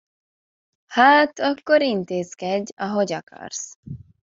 Hát, akkor intézkedj, ahogy akarsz!